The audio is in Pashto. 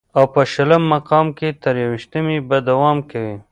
او په شلم مقام چې تر يوویشتمې به دوام کوي